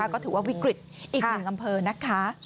ก็ถือว่าวิกฤตอีกหนึ่งอำเภอนะคะ